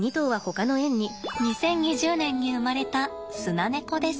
２０２０年に生まれたスナネコです。